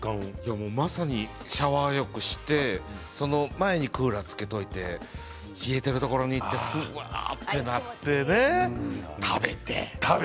まさにシャワー浴をしてその前にクーラーをつけておいて冷えてるところでうーってなって食べて。